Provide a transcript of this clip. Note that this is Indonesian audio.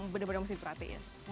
benar benar mesti diperhatiin